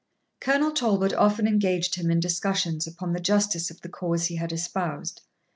Colonel Talbot often engaged him in discussions upon the justice of the cause he had espoused.